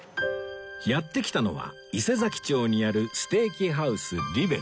やって来たのは伊勢佐木町にあるステーキハウスリベロ